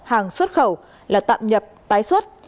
và xuất khẩu là tạm nhập tái xuất